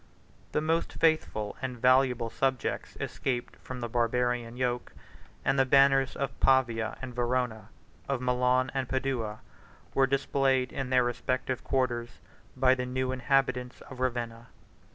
The most faithful and valuable subjects escaped from the Barbarian yoke; and the banners of Pavia and Verona, of Milan and Padua, were displayed in their respective quarters by the new inhabitants of Ravenna.